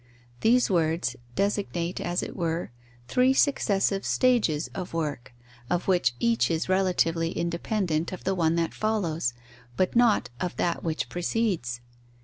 These words designate, as it were, three successive stages of work, of which each is relatively independent of the one that follows, but not of that which precedes.